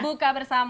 buka bersama ya